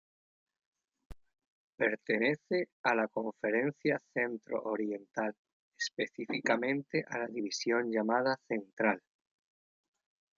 Pertenece a la Conferencia Centro Oriental específicamente a la división llamada "Central".